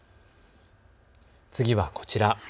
次はこちら。